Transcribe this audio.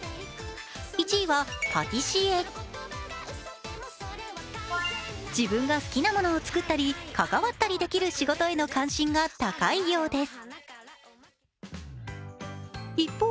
まず低学年は自分が好きなものを作ったり関わったりできる仕事への関心が高いようです